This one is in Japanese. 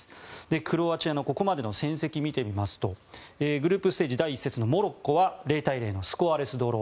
クロアチアのここまでの戦績を見てみますとグループステージ第１節のモロッコは０対０のスコアレスドロー。